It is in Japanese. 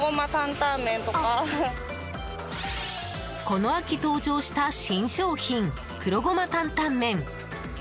この秋登場した新商品黒ごま担々麺。